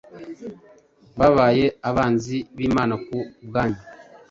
babaye abanzi b’Imana ku bwanyu;